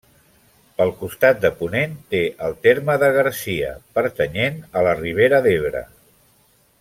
Pel costat de ponent té el terme de Garcia, pertanyent a la Ribera d'Ebre.